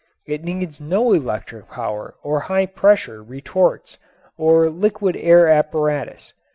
It needs no electric power or high pressure retorts or liquid air apparatus.